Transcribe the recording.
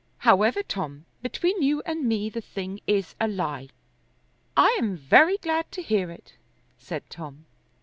However, Tom, between you and me the thing is a lie." "I am very glad to hear it," said Tom.